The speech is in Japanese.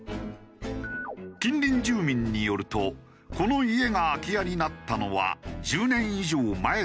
近隣住民によるとこの家が空き家になったのは１０年以上前だという。